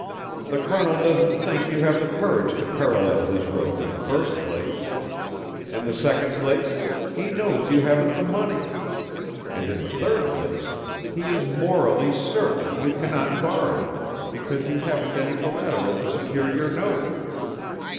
The Colonel doesn't think you have the courage to parallel his road in the first place; in the second place, he knows you haven't the money; and in the third place he is morally certain you cannot borrow it, because you haven't any collateral to secure your note.